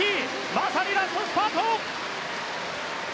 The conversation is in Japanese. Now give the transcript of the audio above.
まさにラストスパート！